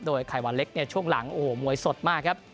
โดยไขวาเล็กช่วงหลังโอ้โหมวยสดมากครับ